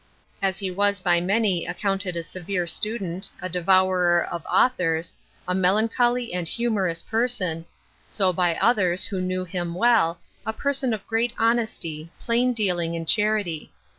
As he was by many accounted a severe student, a devourer of authors, a melancholy and humorous person; so by others, who knew him well, a person of great honesty, plain dealing and charity.